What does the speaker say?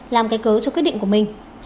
làm cái cớ cho quyết định của mình